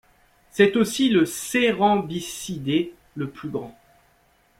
C'est aussi le cérambycidé le plus grand.